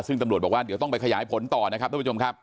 ซึ่งตำรวจบอกว่าเดี๋ยวต้องไปขยายผลต่อนะครับทุกผู้ชมครับ